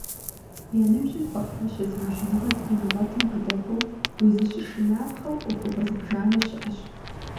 Я ныбжьым хуэфащэ зыужьыныгъэ зэримыгъуэтым къыдэкӀуэу, узыщышынапхъэу Ӏуэхугъуэ зыбжанэ щыӀэщ.